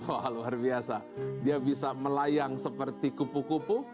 wah luar biasa dia bisa melayang seperti kupu kupu